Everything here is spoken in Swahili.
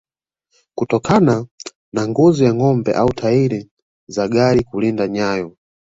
kutokana na ngozi ya ngombe au tairi za gari kulinda nyayo